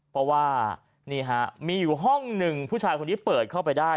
เพราะว่านี่ฮะมีอยู่ห้องหนึ่งผู้ชายคนนี้เปิดเข้าไปได้